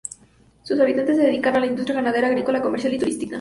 Sus habitantes se dedican a la industria ganadera, agrícola, comercial y turística.